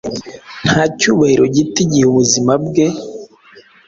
Nta cyubahiro gitoigihe ubuzima bwe